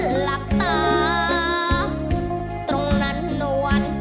หลับตาตรงนั้นนวล